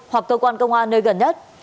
hoặc cơ quan công an nơi gần nhất